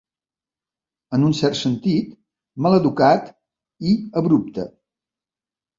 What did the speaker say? En un cert sentit, maleducat i abrupte.